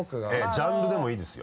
ジャンルでもいいですよ。